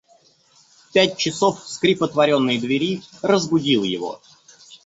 В пять часов скрип отворенной двери разбудил его.